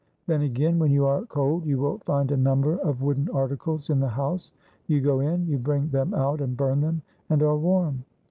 Then again, when you are cold, you will find a number of wooden articles in the house. You go in, you bring them out and burn them and are warm."